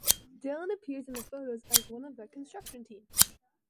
Dylan appears in the photos as one of the construction team.